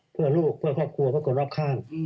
พวกลูกพวกครอบครัวคนรอบคร่าง